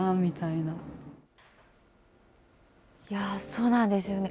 そうなんですよね。